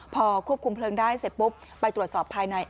พอควบคุมเพลิงได้เสร็จปุ๊บไปตรวจสอบภายใน